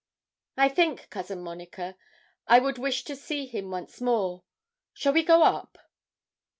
'I think, Cousin Monica, I would wish to see him once more. Shall we go up?'